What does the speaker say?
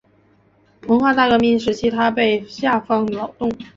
文化大革命时期他被下放劳动。